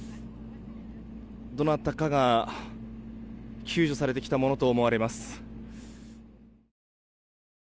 どなたかが救助されてきたものと思われます。